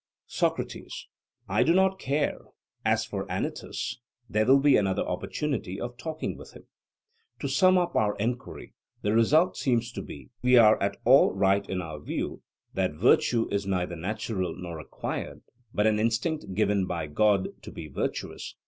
SOCRATES: I do not care; as for Anytus, there will be another opportunity of talking with him. To sum up our enquiry the result seems to be, if we are at all right in our view, that virtue is neither natural nor acquired, but an instinct given by God to the virtuous.